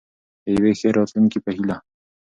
د یوې ښې راتلونکې په هیله.